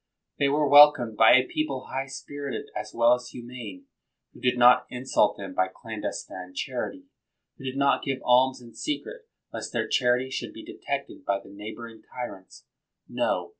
They were welcomed by a people high spirited as well as humane, who did not insult them by clandestine charity; who did not give alms in secret lest their charity should be detected by the neigh boring tyrants! No!